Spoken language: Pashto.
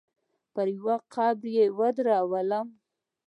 پر يوه قبر يې ودرولم.